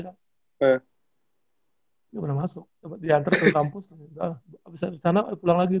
nggak pernah masuk coba diantar ke kampus udah abis sana pulang lagi